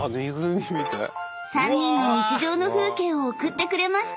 ［３人の日常の風景を送ってくれました］